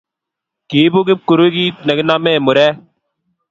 Kiibu kipkurui kiit neginame murek